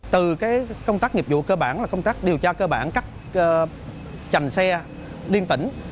từ công tác nghiệp vụ cơ bản là công tác điều tra cơ bản cắt chành xe liên tỉnh